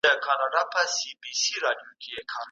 ملکیت د انسان د ژوند د ضرورتونو د پوره کولو وسیله ده.